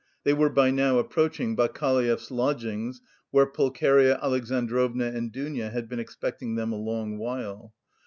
They were by now approaching Bakaleyev's lodgings, where Pulcheria Alexandrovna and Dounia had been expecting them a long while.